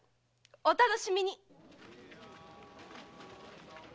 お楽しみに！